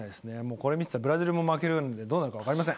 これ見てたら、ブラジルも負けるので、どうなるか分かりません。